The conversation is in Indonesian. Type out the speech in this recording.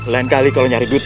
lain kali kalau nyari duit